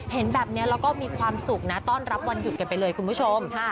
เห็นแบบนี้แล้วก็มีความสุขนะต้อนรับวันหยุดกันไปเลยคุณผู้ชม